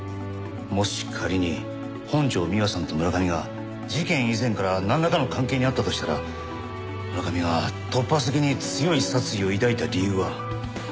もし仮に本条美和さんと村上が事件以前からなんらかの関係にあったとしたら村上が突発的に強い殺意を抱いた理由は。